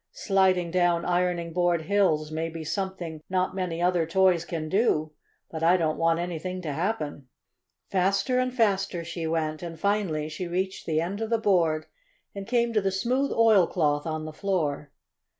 "Sliding down ironing board hills may be something not many other toys can do, but I don't want anything to happen." Faster and faster she went, and finally she reached the end of the board and came to the smooth oilcloth on the floor.